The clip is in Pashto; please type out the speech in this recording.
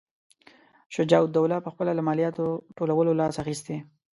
شجاع الدوله پخپله له مالیاتو ټولولو لاس اخیستی.